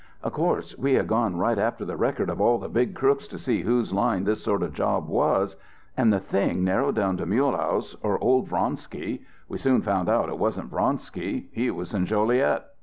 "Of course we had gone right after the record of all the big crooks to see whose line this sort of job was. And the thing narrowed down to Mulehaus or old Vronsky. We soon found out it wasn't Vronsky. He was in Joliet.